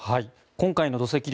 今回の土石流